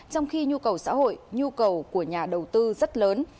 trong khi nhu cầu xã hội nhu cầu của nhà đầu tư rất lớn